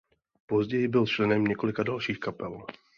Později byl členem několika dalších kapel.